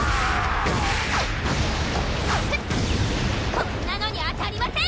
こんなのに当たりません！